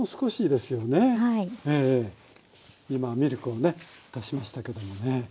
今ミルクをね足しましたけどもね。